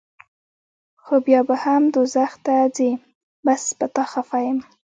خو بیا به هم دوزخ ته ځې بس پۀ تا خفه يم